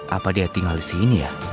apa dia tinggal disini ya